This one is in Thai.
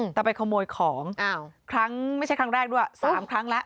แต่ไปขโมยของครั้งไม่ใช่ครั้งแรกด้วย๓ครั้งแล้ว